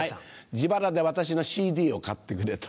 自腹で私のＣＤを買ってくれた。